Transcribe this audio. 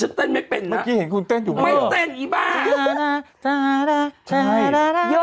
จะไปไม่รู้ว่าว่ามันต้องลองที่ได้